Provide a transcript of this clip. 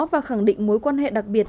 và khẳng định mối quan hệ đặc biệt